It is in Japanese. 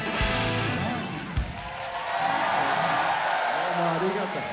どうもありがとね。